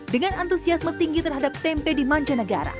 dengan antusiasme tinggi terhadap tempe di manca negara